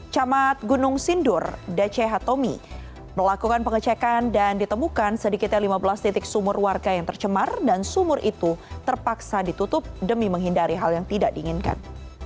camat gunung sindur dch tomi melakukan pengecekan dan ditemukan sedikitnya lima belas titik sumur warga yang tercemar dan sumur itu terpaksa ditutup demi menghindari hal yang tidak diinginkan